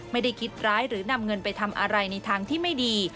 ไม่ได้คิดร้ายหรือนำเงินไปทำอะไรในทางที่ไม่ดี